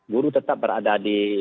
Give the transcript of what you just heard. guru tetap berada di